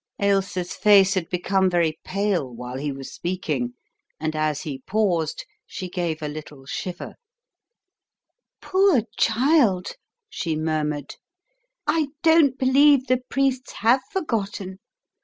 Ailsa's face had become very pale while he Which Introduces a New Friend 11 was speaking, and as he paused she gave a little shiver. "Poor child!" she murmured. "I don't believe the priests have forgotten.